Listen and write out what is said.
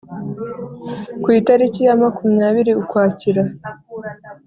ku itariki ya makumyabiri ukwakira